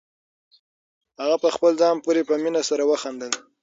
هغه په خپل ځان پورې په مینه سره وخندل.